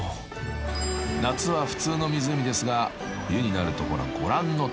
［夏は普通の湖ですが冬になるとほらご覧のとおり］